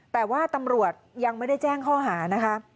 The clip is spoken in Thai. แต่ว่าตำรวจยังไม่ได้แจ้งข้อหานะคะ